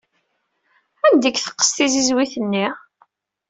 Anda i k-teqqes tzizwit-nni?